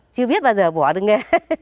chưa biết bao giờ bỏ được nghề